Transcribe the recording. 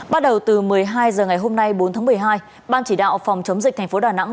bắt đầu từ một mươi hai h ngày hôm nay bốn tháng một mươi hai ban chỉ đạo phòng chống dịch thành phố đà nẵng